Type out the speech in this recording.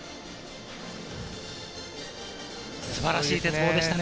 素晴らしい鉄棒でしたね。